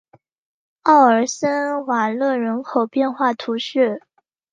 奥尔森瓦勒人口变化图示